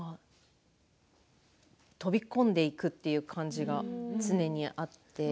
飛び込んでいくという感じが常にあって。